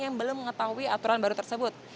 yang belum mengetahui aturan baru tersebut